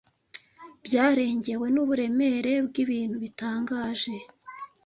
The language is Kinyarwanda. byarengewe nuburemere bwibintu bitangaje